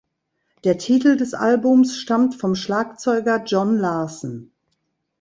Der Titel des Albums stammt vom Schlagzeuger Jon Larsen.